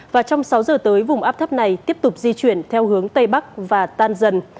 và trong sáu giờ tới vùng áp thấp này tiếp tục di chuyển theo hướng tây bắc và tan dần